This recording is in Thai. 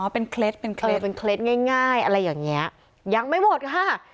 เป็นเคล็ดเป็นเคล็ดเป็นเคล็ดง่ายอะไรอย่างนี้ยังไม่หมดค่ะ